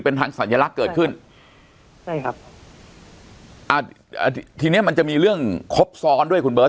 เป็นทางสัญลักษณ์เกิดขึ้นใช่ครับอ่าอ่าทีเนี้ยมันจะมีเรื่องครบซ้อนด้วยคุณเบิร์ต